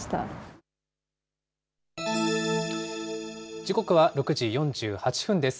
時刻は６時４８分です。